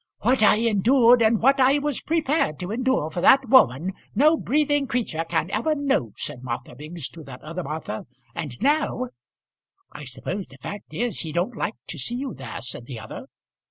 "What I endured, and what I was prepared to endure for that woman, no breathing creature can ever know," said Martha Biggs, to that other Martha; "and now " "I suppose the fact is he don't like to see you there," said the other.